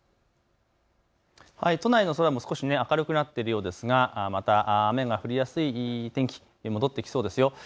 都内の空も少し明るくなっているようですが、また雨が降りやすい天気、戻ってきそうです。